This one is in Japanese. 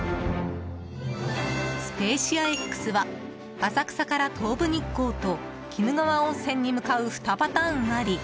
「スペーシアＸ」は浅草から東武日光と鬼怒川温泉に向かう２パターンあり